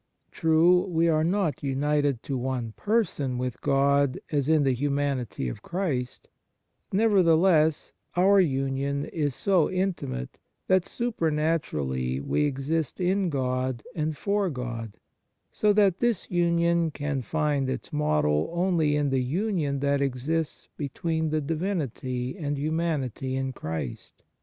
True, we are not united to one person with God as is the humanity of Christ; nevertheless, our union is so intimate that supernaturally we exist in God and for God, so that this union can find its model only in the union that exists between the Divinity and humanity in Christ.